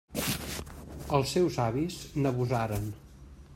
Els seus avis n'abusaren.